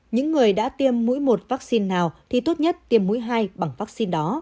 những người đã tiêm mũi một vaccine nào thì tốt nhất tiêm mũi hai bằng vaccine đó